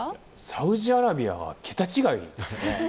サウジアラビアは桁違いですね。